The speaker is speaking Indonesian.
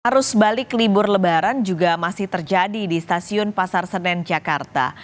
arus balik libur lebaran juga masih terjadi di stasiun pasar senen jakarta